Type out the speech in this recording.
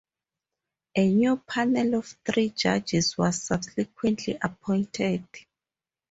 A new panel of three judges was subsequently appointed.